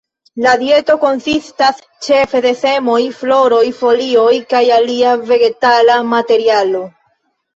La dieto konsistas ĉefe de semoj, floroj, folioj kaj alia vegetala materialo.